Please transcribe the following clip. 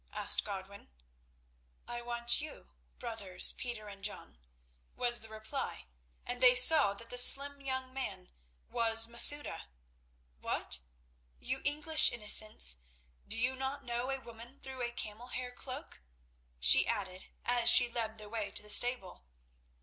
asked Godwin. "I want you, brothers Peter and John," was the reply, and they saw that the slim young man was Masouda. "What! you English innocents, do you not know a woman through a camel hair cloak?" she added as she led the way to the stable.